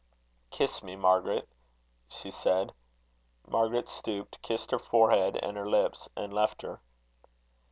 "Kiss me, Margaret," she said. Margaret stooped, kissed her forehead and her lips, and left her.